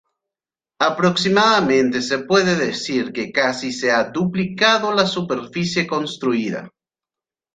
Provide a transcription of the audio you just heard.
Aproximadamente se puede decir que casi se ha duplicado la superficie construida.